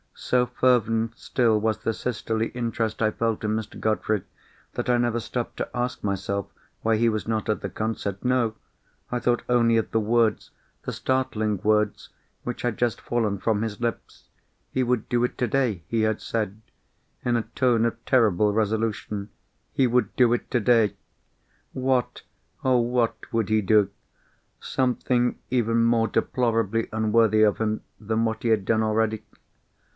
So fervent still was the sisterly interest I felt in Mr. Godfrey, that I never stopped to ask myself why he was not at the concert. No! I thought only of the words—the startling words—which had just fallen from his lips. He would do it today. He had said, in a tone of terrible resolution, he would do it today. What, oh what, would he do? Something even more deplorably unworthy of him than what he had done already?